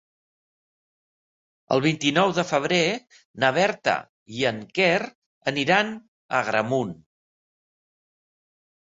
El vint-i-nou de febrer na Berta i en Quer aniran a Agramunt.